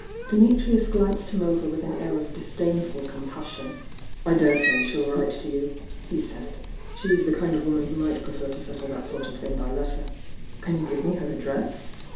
phnitrius glanced him over T.ith an air of dis damful compassion. "I dare say she'U write to you," he said. "She's the kind of woman who might prefer to settle that sort of thmg by letter." "Can you give me her address?"